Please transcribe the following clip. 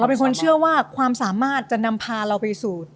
เป็นคนเชื่อว่าความสามารถจะนำพาเราไปสู่